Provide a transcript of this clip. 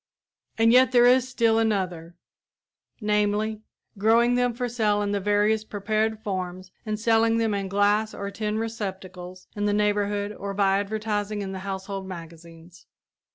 And yet there is still another; namely, growing them for sale in the various prepared forms and selling them in glass or tin receptacles in the neighborhood or by advertising in the household magazines.